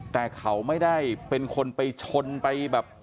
แต่เขาไม่ได้เป็นคนไปชนไปแบบ